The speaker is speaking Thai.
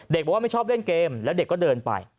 บอกว่าไม่ชอบเล่นเกมแล้วเด็กก็เดินไป